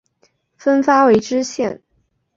分发为知县。